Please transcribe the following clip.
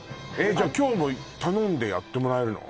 今日も頼んでやってもらえるの？